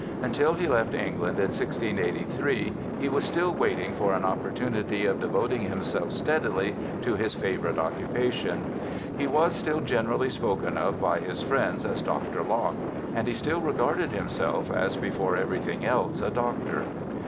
Until he left England in 1683 * he was still waiting for an opportunity of devoting himself steadily to his favourite occupation. He was still generally spoken of by his friends as Dr. Locke, and he still regarded himself as before everything else a doctor.'